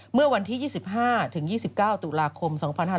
เมื่อวันที่๒๕๒๙ตุลาคม๒๕๕๙